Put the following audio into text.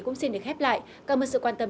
cũng xin được khép lại cảm ơn sự quan tâm